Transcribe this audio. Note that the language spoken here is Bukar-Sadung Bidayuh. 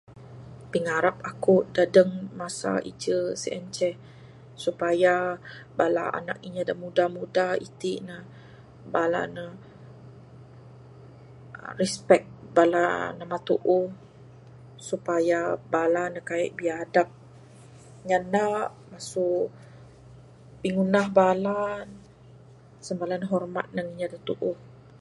Pingarap aku dadeng masa ije sien ceh supaya bala anak inya da muda muda iti ne bala ne, aa respect bala namba tuuh supaya bala ne kaik biadab, nyanda masu pingundah bala. Semene ne hormat inya da tuuh.